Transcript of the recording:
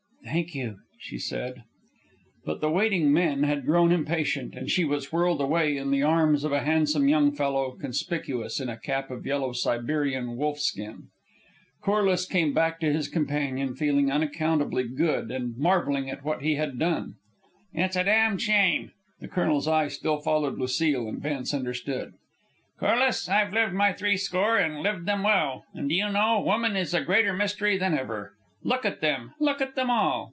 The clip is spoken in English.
"Thank you," she said. But the waiting men had grown impatient, and she was whirled away in the arms of a handsome young fellow, conspicuous in a cap of yellow Siberian wolf skin. Corliss came back to his companion, feeling unaccountably good and marvelling at what he had done. "It's a damned shame." The colonel's eye still followed Lucile, and Vance understood. "Corliss, I've lived my threescore, and lived them well, and do you know, woman is a greater mystery than ever. Look at them, look at them all!"